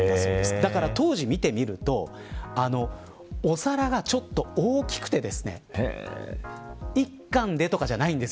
だから、当時を見てみるとお皿がちょっと大きくて１貫でとかじゃないんです。